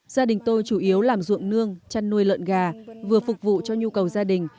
gia đình tôi chủ yếu làm ruộng nương chăn nuôi lợn gà vừa phục vụ cho nhu cầu gia đình